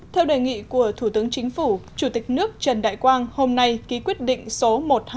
theo đề nghị của thủ tướng chính phủ chủ tịch nước trần đại quang hôm nay ký quyết định số một nghìn hai trăm sáu mươi một